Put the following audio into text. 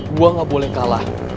gue gak boleh kalah